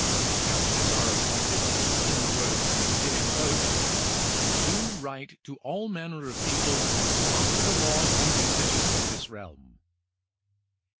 Judges are appointed, in the words of the judicial oath, " to do right to all manner of people, after the laws and usages of this realm."